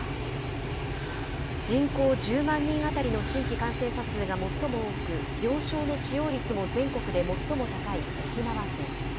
人口１０万人当たりの新規感染者数が最も多く、病床の使用率も全国で最も高い沖縄県。